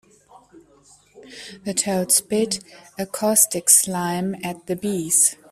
The toad spit a caustic slime at the bees.